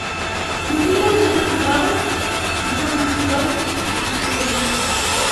இனிய செல்வ, விருப்பங்கள் வளரட்டும்!